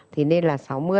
thì nên là sáu mươi